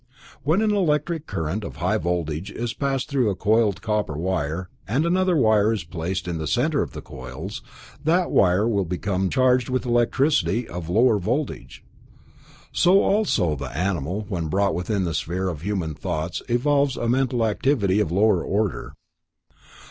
When an electric current of high voltage is passed through a coiled copper wire, and another wire is placed in the center of the coils, that wire will become charged with electricity of a lower voltage. So also the animal, when brought within the sphere of human thoughts, evolves a mental activity of a lower order.